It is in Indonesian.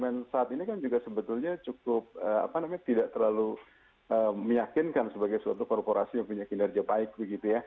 padahal kalau kita lihat situasi bnm saat ini kan juga sebetulnya cukup apa namanya tidak terlalu meyakinkan sebagai suatu korporasi yang punya kinerja baik gitu ya